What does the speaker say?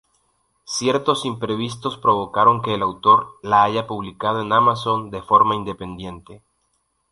Ciertos imprevistos provocaron que el autor la haya publicado en Amazon de forma independiente.